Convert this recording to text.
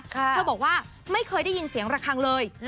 เธอบอกว่าไม่เคยได้ยินเสียงระคังเลย